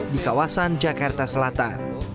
di kawasan jakarta selatan